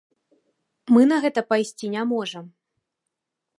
Мы на гэта пайсці не можам.